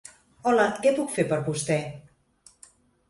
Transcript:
Hola què puc fer per vostè?